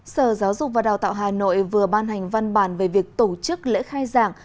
sở giáo dục và đào tạo hà nội vừa ban hành văn bản về việc tổ chức lễ khai giảng